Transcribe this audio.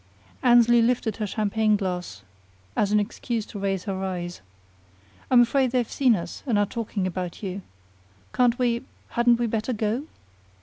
Annesley lifted her champagne glass as an excuse to raise her eyes. "I'm afraid they've seen us and are talking about you. Can't we hadn't we better go?"